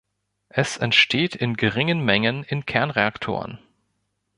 Es entsteht in geringen Mengen in Kernreaktoren.